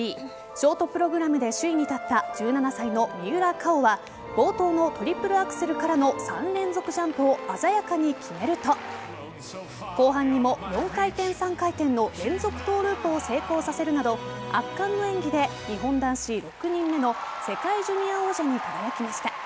ショートプログラムで首位に立った１７歳の三浦佳生は冒頭のトリプルアクセルからの３連続ジャンプを鮮やかに決めると後半にも４回転・３回転の連続トゥループを成功させるなど圧巻の演技で日本男子６人目の世界ジュニア王者に輝きました。